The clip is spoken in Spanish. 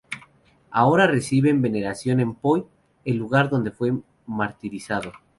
Ahora reciben veneración en Poi, el lugar donde fue martirizado.